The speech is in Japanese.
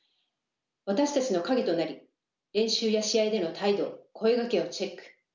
私たちの影となり練習や試合での態度声掛けをチェック。